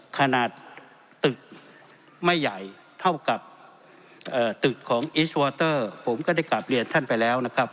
ขนาดไม่ใหญ่เท่ากับเอ่อตึกของผมก็ได้กลับเรียนท่านไปแล้วนะครับ